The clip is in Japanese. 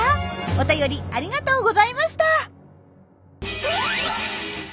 お便りありがとうございました！